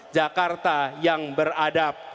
jakarta yang beradab